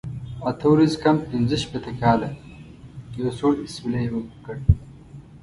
اته ورځې کم پنځه شپېته کاله، یو سوړ اسویلی یې وکړ.